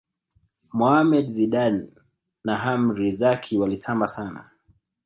mohammed zidane na amri zaki walitamba sana